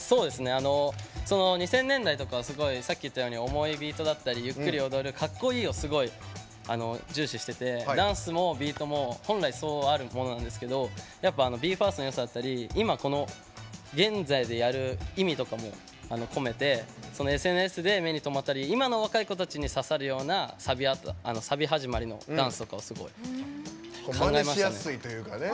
２０００年代とかすごいさっき言ったように重いビートだったりゆっくり踊る、かっこいいを重視しててダンスもビートも本来、そうあるものなんですけどＢＥ：ＦＩＲＳＴのよさだったり今、この現在でやる意味とかもこめてＳＮＳで目に留まったり今の若い子たちに刺さるようなサビ始まりのダンスをすごい考えましたね。